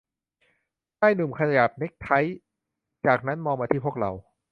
ชายหนุ่มขยับเนคไท จากนั้นมองมาที่พวกเรา